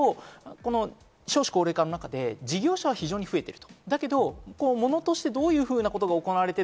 だからこそ少子高齢化の中で事業者は非常に増えている。